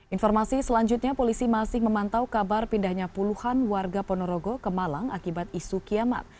informasi selanjutnya polisi masih memantau kabar pindahnya puluhan warga ponorogo ke malang akibat isu kiamat